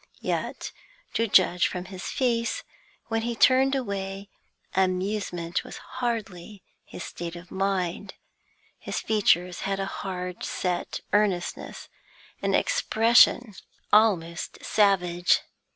Yet, to judge from his face, when he turned away, amusement was hardly his state of mind; his features had a hard set earnestness, an expression almost savage.